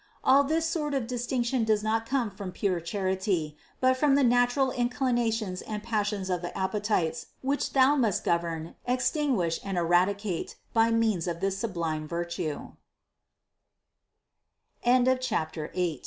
All this sort of distinction does not come from pure charity, but from the natural inclinations and pas sions of the appetites, which thou must govern, extin guish and eradicate by means of this sublime vi